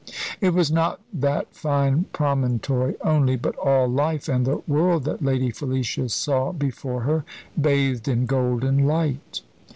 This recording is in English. It was not that fine promontory only, but all life and the world that Lady Felicia saw before her bathed in golden light.